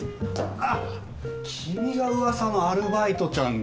あっ君がうわさのアルバイトちゃんか。